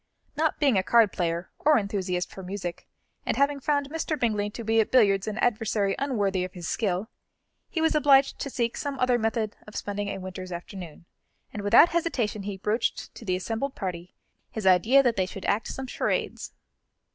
Not being a card player, or enthusiast for music, and having found Mr. Bingley to be at billiards an adversary unworthy of his skill, he was obliged to seek some other method of spending a winter's afternoon, and without hesitation he broached to the assembled party his idea that they should act some charades.